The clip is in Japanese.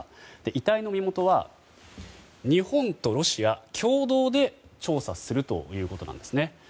遺体の身元は日本とロシア共同で調査するということなんですね。